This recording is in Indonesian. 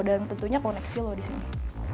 dan tentunya koneksi lo disini